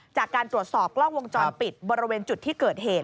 จากการตรวจสอบกล้องวงจรปิดบริเวณจุดที่เกิดเหตุ